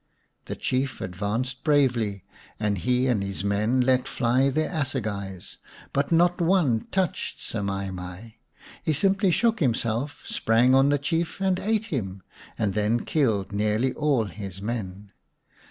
The Chief advanced bravely, and he and his men let fly their assegais, but not one touched Semai mai. He simply shook himself, sprang on the Chief and ate him, and then killed nearly all his men.